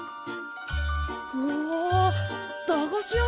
うわ駄菓子屋さん！？